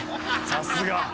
さすが。